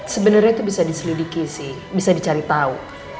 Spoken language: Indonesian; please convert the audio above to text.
sebenarnya itu bisa diselidiki sih bisa dicari tahu